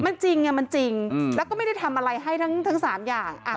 มันจริงไงมันจริงแล้วก็ไม่ได้ทำอะไรให้ทั้ง๓อย่าง